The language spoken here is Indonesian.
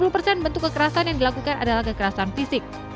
dua puluh persen bentuk kekerasan yang dilakukan adalah kekerasan fisik